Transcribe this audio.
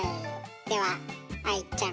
では愛ちゃん